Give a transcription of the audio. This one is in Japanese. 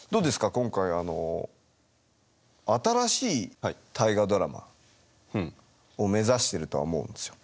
今回あの新しい「大河ドラマ」を目指しているとは思うんですよ。